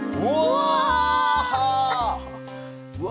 うわ！